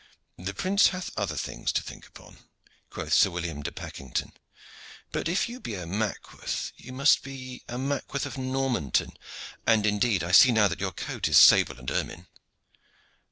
"The prince hath other things to think upon," quoth Sir William de Pakington; "but if you be a Mackworth you must be a Mackworth of Normanton, and indeed I see now that your coat is sable and ermine."